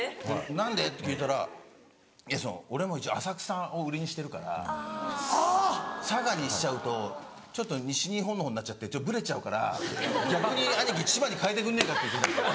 「何で？」って聞いたら「俺も一応浅草を売りにしてるから佐賀にしちゃうと西日本のほうになっちゃってブレちゃうから逆に兄貴千葉に変えてくんねえか？」。